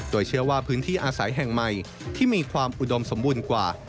โดยเชื่อว่าพื้นที่อาศัยแห่งใหม่ที่มีความอุดมสมบูรณ์กว่า